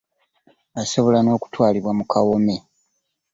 Asobola n'okutwalibwa mu kawome.